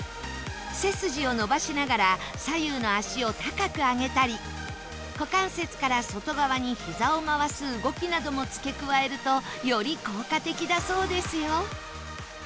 背筋を伸ばしながら左右の足を高く上げたり股関節から外側にひざを回す動きなども付け加えるとより効果的だそうですよ